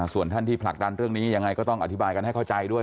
ส่วนท่านที่ผลักดันเรื่องนี้ยังไงก็ต้องอธิบายกันให้เข้าใจด้วย